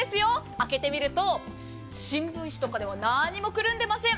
開けてみると新聞紙とかでは何もくるんでいません。